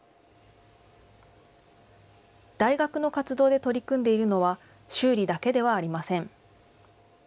大学の活動で取り組んでいるのは、修理だけではありません。